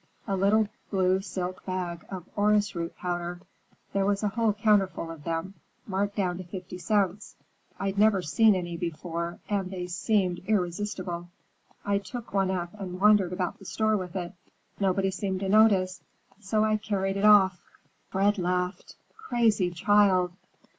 A little blue silk bag of orris root powder. There was a whole counterful of them, marked down to fifty cents. I'd never seen any before, and they seemed irresistible. I took one up and wandered about the store with it. Nobody seemed to notice, so I carried it off." Fred laughed. "Crazy child!